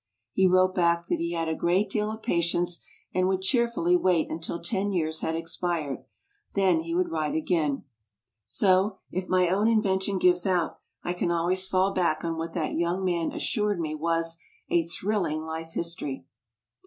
He wrote back that he had a great deal of patience and would cheerfully wait until ten years had expired; then he would '"* D,.«.,Google write again. So, if my own invention gives out, I can always fall back on what that young man assured me was "a thrill ing life history!"